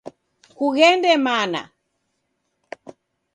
Kughende mana!